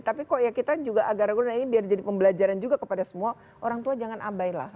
tapi kok ya kita juga agar agar ini biar jadi pembelajaran juga kepada semua orang tua jangan abai lah